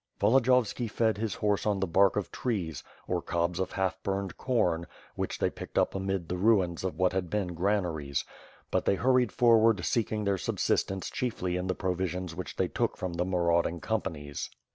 Volodiyovski fed his horse on the bark of trees, or cobs of half burned corn, which they picked up amid the ruins of what had been granaries; but they hurried forward seeking their subsistence chiefly in the provisions which they took from the marauding com panies.